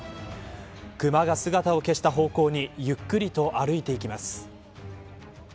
熊が姿を消した方向にゆっくりと歩いていきます。